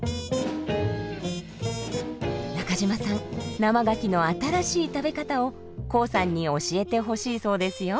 生ガキの新しい食べ方をコウさんに教えてほしいそうですよ。